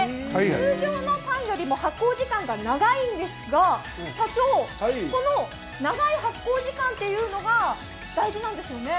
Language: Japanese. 通常のパンよりも発酵時間が長いんですが、社長、この長い発酵時間というのが大事なんですね？